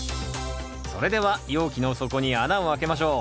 それでは容器の底に穴をあけましょう。